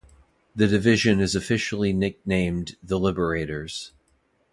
The division is officially nicknamed the "Liberators".